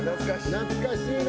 懐かしいな。